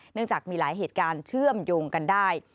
จากมีหลายเหตุการณ์เชื่อมโยงกันได้